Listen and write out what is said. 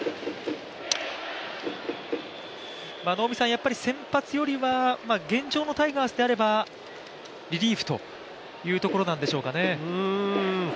やっぱり先発よりは現状のタイガースであればリリーフというところなんでしょうかね。